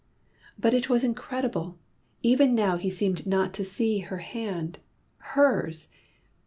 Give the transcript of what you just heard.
But it was incredible! Even now he seemed not to see her hand hers!